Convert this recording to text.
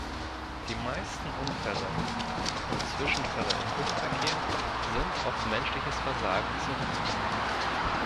Die meisten Unfälle und Zwischenfälle im Luftverkehr sind auf menschliches Versagen zurückzuführen.